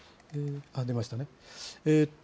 出ましたね。